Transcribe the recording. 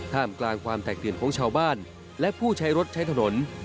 กลางความแตกตื่นของชาวบ้านและผู้ใช้รถใช้ถนน